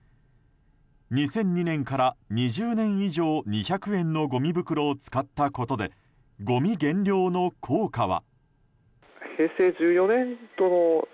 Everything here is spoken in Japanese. ２００２年から２０年以上２００円のごみ袋を使ったことでごみ減量の効果は。